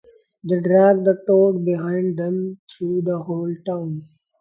They drag the toad behind them through the whole town.